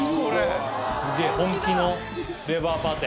すげぇ本気のレバーパテ。